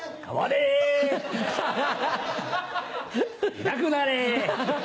いなくなれ！